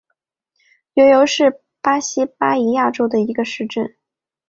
尤尤是巴西巴伊亚州的一个市镇。